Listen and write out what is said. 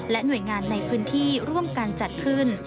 หน่วยงานในพื้นที่ร่วมการจัดขึ้น